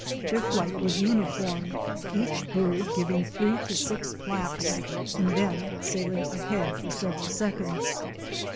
Their flight was uniform, each bird giving three to six flaps and then sailing ahead for several seconds.